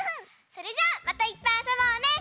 それじゃあまたいっぱいあそぼうね！